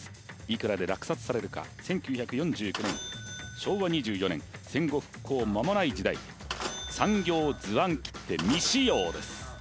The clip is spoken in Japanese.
いくらで落札されるか１９４９年昭和２４年戦後復興まもない時代産業図案切手未使用です